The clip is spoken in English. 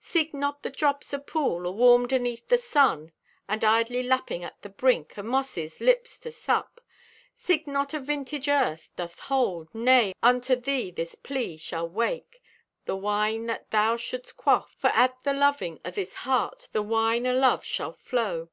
Seek not the drops o' pool, Awarmed aneath the sun, And idly lapping at the brink Of mosses' lips, to sup. Seek not o' vintage Earth doth hold. Nay, unto thee this plea shall wake The Wine that thou shouldst quaff. For at the loving o' this heart The Wine o' Love shall flow.